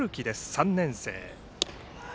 ３年生。